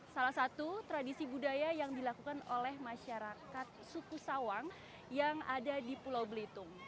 salah satu tradisi budaya yang dilakukan oleh masyarakat suku sawang yang ada di pulau belitung